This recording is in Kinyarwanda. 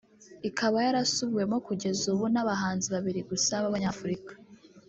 ikaba yarasubiwemo kugeza ubu n’abahanzi babiri gusa babanyafurika